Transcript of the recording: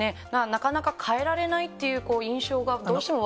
なかなか変えられないっていう印象がどうしても。